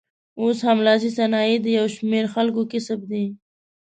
اوس هم لاسي صنایع د یو شمېر خلکو کسب دی.